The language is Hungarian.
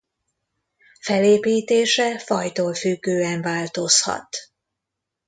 Felépítése fajtól függően változhat.